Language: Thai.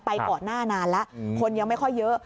ก่อนหน้านานแล้วคนยังไม่ค่อยเยอะ